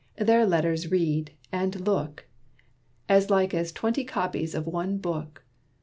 "Their letters read, and look, As like as twenty copies of one book.